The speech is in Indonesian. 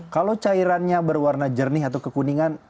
kalau cairannya berwarna jernih atau kekuningan